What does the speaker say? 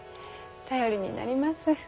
頼りになります。